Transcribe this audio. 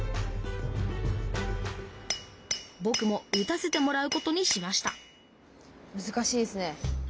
ぼくも打たせてもらうことにしましたむずかしいですね。